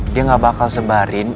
dia ga bakal sebarin